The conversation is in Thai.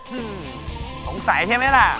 อืมสงสัยใช่ไหมล่ะ